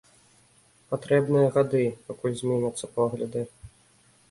Патрэбныя гады, пакуль зменяцца погляды.